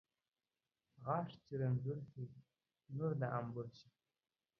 غاښ چې رنځور شي ، نور د انبور شي